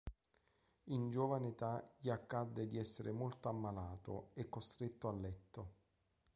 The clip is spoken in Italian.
In giovane età gli accadde di essere molto ammalato, e costretto a letto.